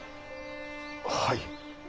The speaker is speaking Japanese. はい。